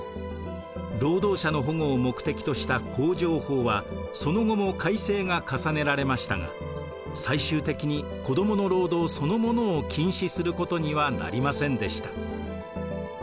労働者の保護を目的とした工場法はその後も改正が重ねられましたが最終的に子どもの労働そのものを禁止することにはなりませんでした。